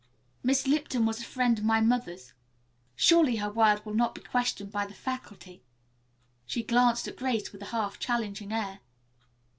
Miss Lipton was a friend of my mother's. Surely her word will not be questioned by the faculty." She glanced at Grace with a half challenging air.